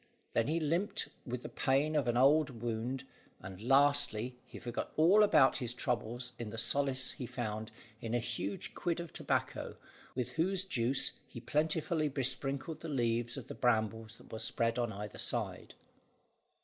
Then he limped with the pain of an old wound; and lastly, he forgot all about his troubles in the solace he found in a huge quid of tobacco, with whose juice he plentifully besprinkled the leaves of the brambles that were spread on either side.